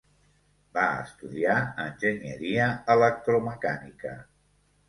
Va estudiar enginyeria electromecànica.